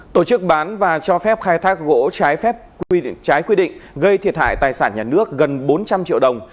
tổ chức bán và cho phép khai thác gỗ trái phép gây thiệt hại tài sản nhà nước gần bốn trăm linh triệu đồng